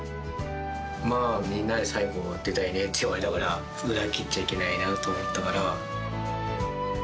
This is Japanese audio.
まあ、みんなで最後出たいねって言われたから、裏切っちゃいけないなと思ったから。